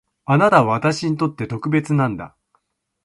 あなたは私にとって特別なんだ